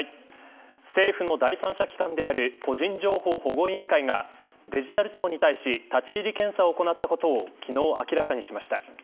政府の第三者機関である個人情報保護委員会がデジタル庁に対し立ち入り検査を行ったことを昨日、明らかにしました。